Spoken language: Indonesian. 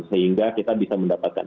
sehingga kita bisa mendapatkan